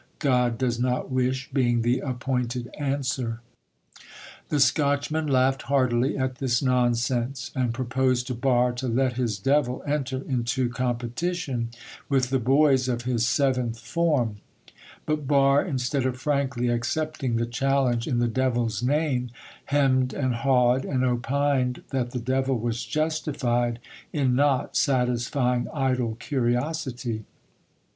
"God does not wish," being the appointed answer. The Scotchman laughed heartily at this nonsense, and proposed to Barre to let his devil enter into competition with the boys of his seventh form; but Barre, instead of frankly accepting the challenge in the devil's name, hemmed and hawed, and opined that the devil was justified in not satisfying idle curiosity.